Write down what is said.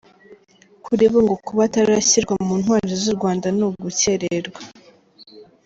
Kuri bo ngo kuba atarashyirwa mu Ntwari z’u Rwanda ni ugucyererwa.